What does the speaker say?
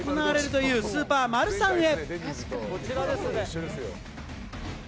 まずは朝市が行われるというスーパーマルサンへ。